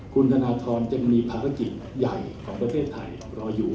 คุณธนทรจึงมีภารกิจใหญ่ของประเทศไทยรออยู่